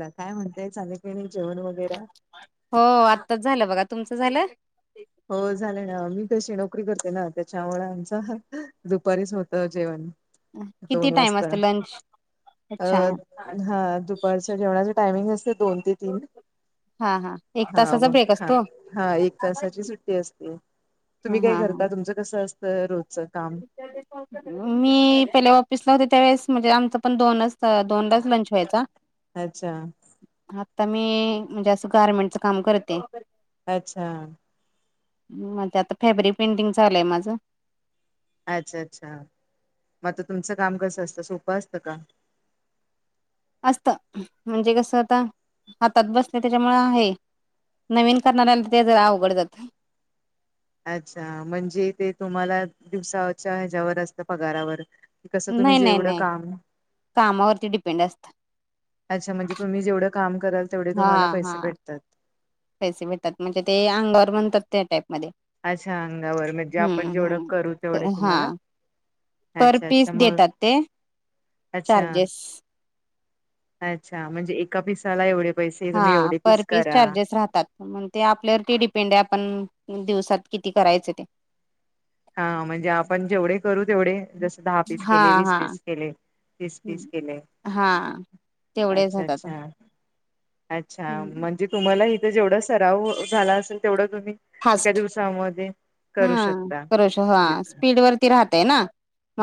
ता काय म्हणताय चालिकणी जेवण वगैरे हो आत्ताच झालं बघा तुमचं झालं हो झाले ना मी कशी नोकरी करते ना त्याच्यामुं आमचं दुपारीच होतं जेवण किती दोन टाइम वाजता असतो लंच अ अच्छा हा दुपारच्या जेवणाच टायमिंग असते दोन ते तीन हा एक हा तासाचा म ब्रेक ह असतो हा एक तासाची सु अस हा तुम्ही काय हा करता तुमचं कसं असतं रोजच काम मी पहिले ऑफिस ला होते त्यावेेळेस म्हणजे आमच पण दोन असत दोन वायचा अच्छा आता मी म्हणजे असं गारमेंटचं काम करते अच्छा म्हजे आता फॅब्रिक पेंटिंग चालूय माझं अच्छा अच्छा मगता तुमचं काम कस असतं सोपं असतं का असत म्हणजे कस आता हातात बसलं त्याच्यामुळे आहे नवीन करणाऱ्याला ते ज अवघड जात अच्छा म्हणजे ते तुम्हाला दिवसाच्या ह्याच्यावर असतं पगारावर कस तुम्ही नाही नाही जेवढं नाही काम कामावरती डिपेंड असत अच्छाणजेुम्ही जवढं काम कल हा हा पैसे भेटतात म्हणजे ते अंगवर म्हणतात त्या टाईपमध्येध्ये अच्छा अंगावर म्हणजे आपण जेवढं करू तेवढे हम्म हा तुम्हाला पर अच्छा पीस अच्छा मग देतात ते अच्छा चार्जेस अच्छा म्हणजे एका पिसाला एवढे पैसे तुम्ही हा एवढे पर पीस करा चार्जेस राहतात मग ते आपल्यावरती डिपेंड आहे आपण दिवसात किती करायचं ते हा म्हणजे आपण जेवढे करू तेवढे जसे दहा पीस हा केले वीस हा पीस केले तीस पीस हम्म. केले हा तेवढेच अच्छा होतात अच्छा अच्छा म्हणजे तुम्हाला इथं जेवढा सराव झाला असेल तेवढं तुम्ही एका फास्ट दिवसामध्ये करू शकता ह जे- स्पीड वती राहतग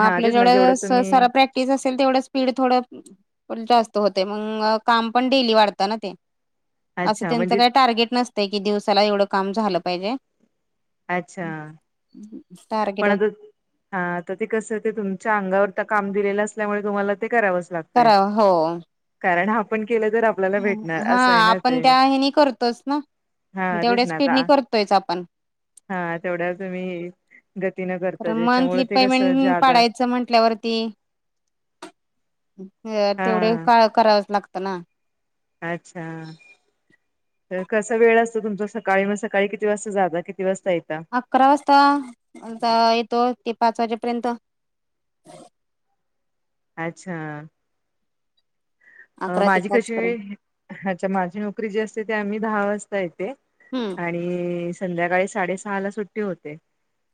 हा आपल्या तेच ना जेवढं ज तुम्ही प्र असेल तेवढं स्पीड थोडं जास्त होते मग काम पण डेली वाढतं ना ते असं अच्छा त्यांचं म्हणजे काय टार्गेट नसतं की दिवसाला एवढं काम झालं पाहिजे अच्छा ह पण आता हा ते कस ते तुमच्या अंगावर काम दिलेलं असल्यामुळे तुम्हाला ते करावंच लागतं करा हो कारण ह हा आपण ते त्या हनी करतोच ना हा तेच तेवढ्या ना आता स्पीडनी करतोयच आपण हा तेवढ्या तुम मही गतीनग कारं मंथली पेमेंट पाडायचं म्हंटल्यावरती तेवढे हा काळ करावच लागतं ना अच्छा तर कसा वेळ असतं तुमच सकाळी मग सकाळी किती वाजता जात किती वाजता येता अकरा वाजताता येतो ते पाच वाजेपर्यंत अच्छा अ अकरा ते माझी पाच कशी पर्यंत अच्छा माझी नोकरी जी असते त आम्ही दहा वाजता येते हम्म आणि संध्याकाळी साडेसहा ला सुट्टी होते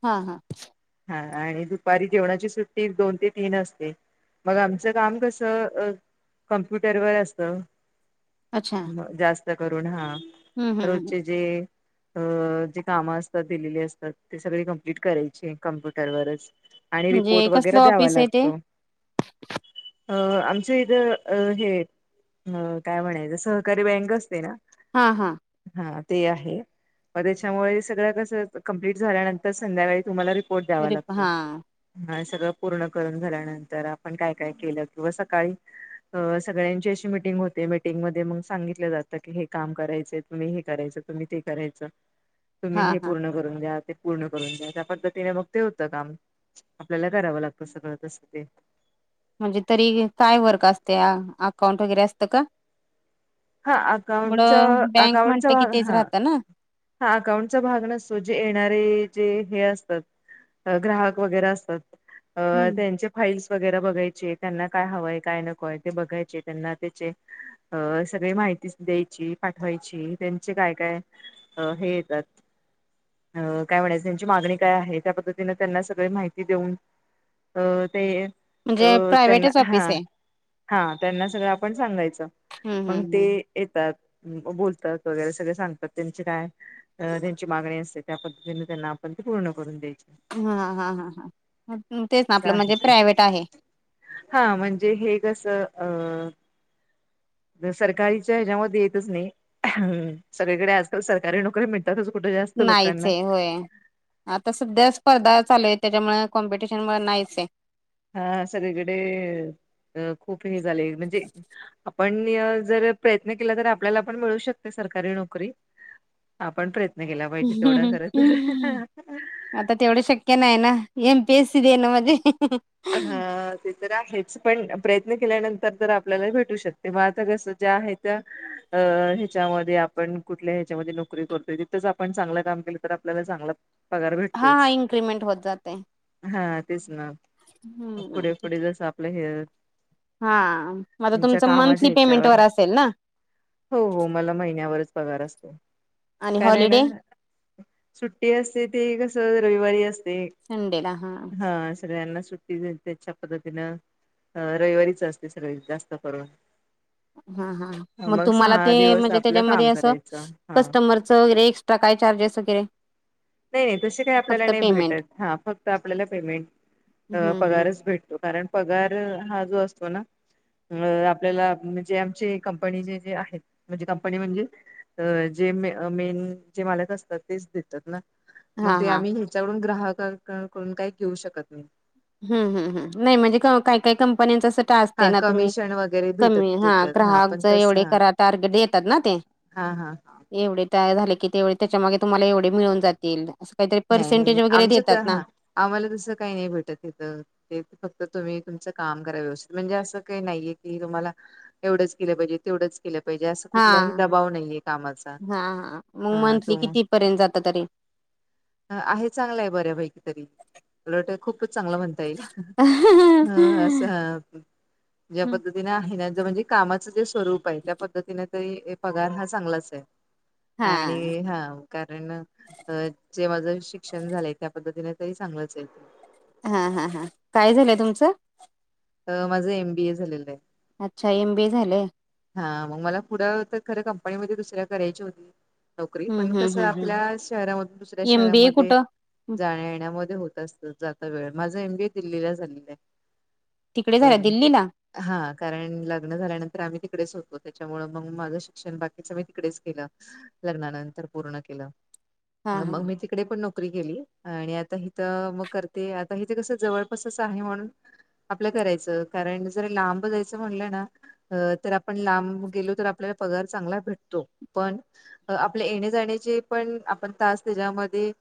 हा हा हा आणि दुपारी जेवणाची सुट्टी दोन ते तीन असते मग आमचं काम कसं अ कॉम्प्युटर बर असते अच्छा जास्त करून हा हम्म हम् रोजचे जे अ जे कामं असतात दिलेली असतात ते सगळे कमप्लीट करायची कम्प्युटरवरच आणि रिपोर्ट म्हणजे वगैरे कसलं द्यावा ऑफिस आहे ते लागतो आमच्या इथे अ हे काय म्हणायचं सहकारी बँक असते ना हा हा हा ते आहे मग त्याच्यामुळे सगळं कसं कंप्लीट झाल्यानंतर संध्याकाळी तुम्हाला रिपोर्ट द्यावा तरी लागतो हा ह सगळं पूर्ण करून झाल्यानंतर आपण काय काय केलं किंवा सकाळी सगळ्यांची अशी मिटिंग होते मीटिंगमध्येध्ये मग सांगितलं जातं की हे काम करायचंय तुम्ही हे करायचं तुम्ही ते करायच तुम्ही हा हे हा पूर्ण कर द्या ते पूर्ण करून द्या त्या पद्धतीने मग ते होतं काम आपल्याला करावं लागतं सगळं तसेच ते म्हणजे तरी काय वर्क असते अकाउंट वगैरे असतं का हा थोड अकाउंटचा बँक अकाउंटचा म्हणत की भाग तेच हा राहत ना हा अकाउंटचा भाग नसतो जे येणारे जे हे असतात ग्राहक वगैरे असतात हम्म त्यां फाईल्स वगैरे बघायचे त्यांना काय हवंय काय नकोय ते बघायचे त्यांना त्याचे अ सगळी माहिती द्यायची पाठवायची त्यांचे काय काय अ ह अं काय म्हणायचं त्यांची मागणी काय आहे त्या पद्धतीनें त्यांना सगळी माहिती देऊन अ ते अ म्हणजे त्यांना प्रायव्हेटच हा ऑफिस आहे. हा त्यांना सगळं आपण सांगायचं हम्म मग हम्म ते हम्म. येतात बोलतात वगैरे सगळे सांगतात काय त्यांची मागणी असते त्या पद्धतीने त्यांना आपण पूर्ण करून द्यायची हा हा ह ह तेच ना असं आपलं आहे म्हणजे ते प्रायव्हेट आहे हा म्हणजे हे कसे अ सरकारीच्या ह्याच्यामध्ये येतच नाही सगळीकडे आजकाल सरकारी नोकरी मिळते तसंच कुठे जास्त नाहीच लोकांना आहे होय आता सध्या स्पर्धा चालू आहे त्यांच्यामुळे कॉम्पिटिशनमुळे नाहीच आहे हा सगळीकडे खूप हे झाले म्हणजे आपण जर प्रयत्न केला तर आपल्याला पण मिळू शकते सरकारी नोकरी आपण प्रयत्न केला पाहिजे तेवढं खरचच आता तेवढं शक्य नाही ना एमपीएस सी दे ना म्हणजे हा ज आहेच पण प्रयत्न केल्यानंतर तर आपल्याला भेटू शकते म आता कस ज्या आहे त्या अ ह्याच्यामध्ये आपण कुठल्या ह्याच्यामध्ये नोकरी करतोय तिथंच आपण चांगलं काम केलं तर आपल्याला चांगलं पगार हा हा भेटतोयच इन्क्रीमेंट होत जातय हा तेच ना पुढे पुढे जस आपलं हे हा मझ तुमच्या तुमचं कामाच्या मंथली पेमेंट ह्याच्यावर वर असेल ना हो हो मला महिन्यावरच पगार असतो आणि कारण हॉलिडे सुट्टी असते ते कस रविवारी असते सडेला हा हा सगळ्यांना सुट त्याच्या पद्धतीनं रविवारीच असते सर्व जास्त परव हा हा मग तुम्हाला सहा ते दिवस म्हणजे आपलं त्याच्यामध्ये काम अस करायचं हा कस्टमरच वगैरे काय च्ेस वगैरे नाही नाही तशी काही आपल्याला फक्त नाही पेमेंट. भेटत हा फक्त आपल्याला पेमेंट अ हम्म हम्म. पगारच भेटतो कारण पगार हा जो असतो ना अ आपल्याला म्हणजे आमचे कंपनी जे जे आहेत म्हणजे कंपनी म्हणजे तर जे मे मेन जे मालक असतात तेच देतात ना मग हा ते हा आम्ही ह्याच्याकडून ग्राहकांकडून काही घेऊ शकत नाही नाही म्हणजे काय काय कंपन्यांच असते हा ना तुम्ही कमिशन वगैरे भेटत कमी हा देतात ग्राहक पण ज तस एवढे करा टार्गेट देतात ना ते हा हा हा एवढे तयार झाले की तेवढे त्याच्या मागे तुम्हाला एवढे मिळून जातील असं काहीतरी नाही नाही पर्सेंटेज नाही वगैरे आमचं तर देतात ना हा आम्हाला तसं काही नाही भेटत तथं ते फक्त तुम्ही तुमचं काम करा व्यवस्थित म्हणजे असं काही नाहीये की तुम्हाला एवढंच केलं पाहिजे तेवढंच केलं पाहिजे असं हा कुठलाही दबाव नाहीेये कामाचा हा तो पर्यंत जात तरी आहे चांगलाय बऱ्यापैकी तरी [unintelligible] खूपच चांगला म्हणता येईल ह असं ज्या पद्धतीने आहे त्यांचं म्हणजे कामाचं जे स्वरूप आहे त्या पद्धतीने तरी पगार हा चांगलाच आहे हा आणि हा कारण अह जे माझं शिक्षण झालंय त्या पद्धतीने तरी चांगलाच हाय हा हा हां काय झालंय तुमचं? तर माझं एम बी ए झालेलं आहे. अच्छा एम बी ए झालंय. हा मग मला पुढं तर खरं कंपनीमध्ये दुसऱ्या करायची होती नोकरी पण हम्म हम्म कसं हम्म आपल्या हम्म शहरामधून दुसऱ्या एम बी ए शहरामध्ये कुठं हं, जाण्या येण्यामध्ये होत असत जास्त वेळ माझं एम बी ए दिल्लीला झालेलं आहे तिकडे झालं बरं दिल्लीला हा कारण लग्न झाल्यानंतर आम्ही तिकडेच होतो त्याच्यामुळे मग माझं शिक्षण बाकीचं मी तिकडेच केलं लग्नानंतर पूर्ण केलं हा आणि हा मग मी ती कडे पण नोकरी केली आणि आता हिथ मग करते आता हिथे कस जवळपासच आहे म्हणून आपलं करायचं कारण जरा लांब जायचं म्हणलं ना अ तर आपण लांब गेलो तर आपल्याला पगार चांगला भेटतो पण अ आपल्या येण्या जाण्याचे पण आपण तास त्याच्यामध्ये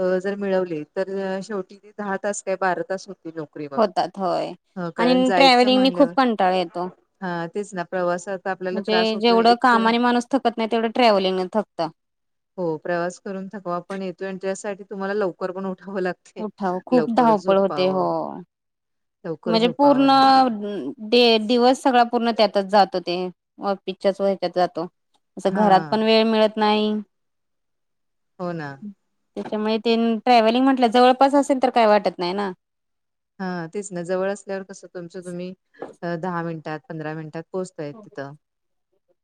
अ जर मिळवले तर शेवटी ते दहा तास काय बारा तास होते नोकरी मग होतात होय अ, आणि कारण जायचं ट्रॅव्हलिंगीने खूप म्हणल्यावर कंटाळा येतो हा तेच ना प्रवासात आपल्याला म्हणजे त्रास होतोय जेवढं एक तर कामाने माणूस थकत नाही तेवढं ट्रॅव्हलिंगने थकत. हो प्रवास करून थकवा पण येतो आणि त्याच्यासाठी तुम्हाला लवकर पण उठावं लागत उठाव खूप लवकर धावपळ होते हो. झोपावं लवकर म्हणजे झोपावं लागत पूर्ण ते दिवस सगळा पूर्ण त्यातच जातो ते ऑफिसच्या हो ह्याच्यात जातो. असं हा घरात पण वेळ मिळत नाही हो ना. त्याच्यामुळे ते ट्रॅव्हलिंग म्हटलं जवळपास असेल तर काही वाटत नाही ना ह तेच ना जवळ असल्यावर कसं तुमचं तुम्ही दहा मिनिटात पंधरा मिनिटात पोचताय तिथ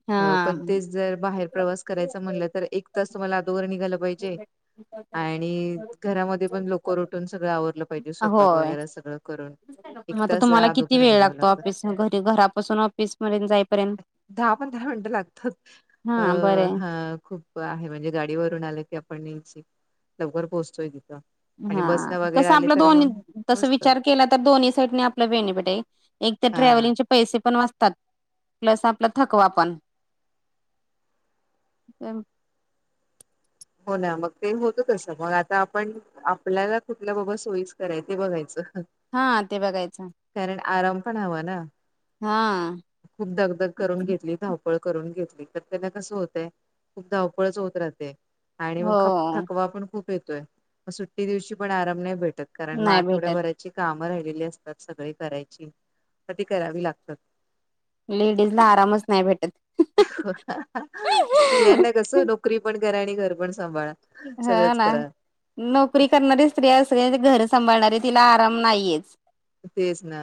हा. पण तेच जर बाहेर प्रवास करायचा म्हणलं तर एक तास तुम्हाला अदोघर निघालं पाहिजे आणि घरामध्ये पण लोक उठून सगळं आवरलं पाहिजे स्वयपाक होय. सगळं करून आता तुम्हाला किती अदोघर वेळ निघावं लागतो लागतं ऑफिस घरी घरापासून ऑफिस पर्यंत जाईपर्यंत? दहा पंधरा मिनटं लागतात अ हा बरं आहे हा खूप म्हणजे गाडीवरून आलं की आपण ने लवकर पोहोचतोय तिथं आणि हा बसन वगैरे कसं आले आपलं तर मग दोन्ही तसं पोहोचतात विचार केला तर दोन्ही साईडने आपलं बेनिफिट आहे, एकतर हा ट्रॅव्हेलिंगचे पैसे पण वाचतात प्लस आपला थकवा पण हा. हो ना मग ते होत तस मग आता आपण आपल्याला कुठल्या बाबा सोयीच कराय ते बघायचं हा ते बघायचं कारण आराम पण हवा ना हा खूप दगदग करून घेतली धाव पळ करून घेतली तर त्यांना कस होतय खूप धावपळच होत राहते आणि मग खप हो थकवा पण खूप येतोय मग सुट्टी दिवशी पण आराम नाही भेटत कारण मग नाही भेटत आठवड्याभराची कामं राहिलेली असतात सगळे करायची म ती करावी लागतात लेडीज ला आरामच नाही भेटत कस नोकरी पण करा आणि घर पण सांभाळा हा सगळंच ना करा नोकरी करणारी स्त्र्रीया असली घर सांभाळणारी तिला आराम नाहीयेच तेच ना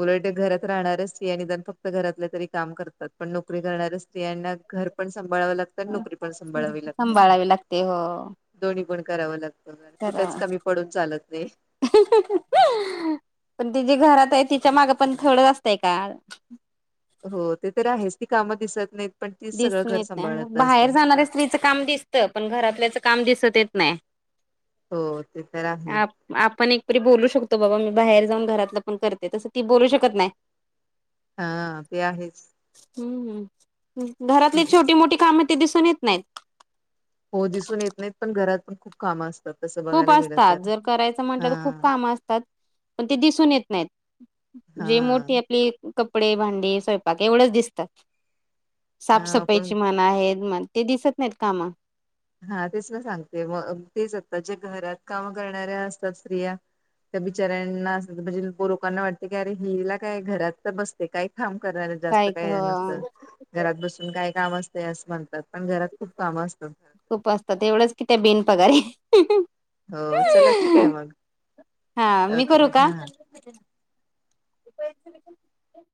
उलट घरात राहणारच स्त्रिया निदान फक्त घरातले तरी काम करतात पण नोकरी करऱ्या स्त्रियांना घर पण सांभाळावं लागत सांभाळावी लागते हो दोन्ही पण करावं लागतं तर कुठेच कमी पडून चालत नाही पण ति जे घरात आहे तिच्या माग पण थोडं असतंय का हो ते तर आहेच ती काम दिसत नाही दिसून येत नाही बाहेर जाणाऱ्या हा स्त्रीचं काम दिसतं पण घरातल्याच काम दिसत येत नाही हो ते तर आहे आपण एकपरी बोलू शकतो बाबा मी बाहेर जाऊन घरातलं पण करते तसं ती बोलू शकत नाही हा ते आहेच हम्मम् घरातली हम्म. छोटी मोठी कामं ते दिसून येत नाहीत हो दिसून येत नाहीत पण घरात पण खूप काम असत खूप असतात जर करायचं म्हटलं तर खूप हा. काम असतात पण ते दिसून येत नाहीत जे हा मोठे आपले कपडे भांडे स्वयंपाक एवढच दिसतात हा पण साफसफाईची म्हन आहेत म ते दिसत नाहीत कामा हा तेच ना सांगते मग तेच आत्ता जे घरात काम करणाऱ्या असतात स्त्रिया तर बिचाऱ्यांना म्हणजे लोकांना वाटते की अर हिला काय घरात तर बसत ते काही फाम करणार जास्त काय नुसतं घरात बसून काय काम असते असं म्हणतात पण घरात खूप काम असतं खूप वा असतात एवढंच की त्या बेन पगारे हो चला ठीक आहे मग हा मी ओके करू हा का?